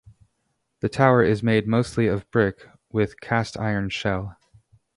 The tower is made mostly of brick with a cast iron shell.